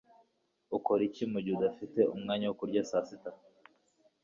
Ukora iki mugihe udafite umwanya wo kurya saa sita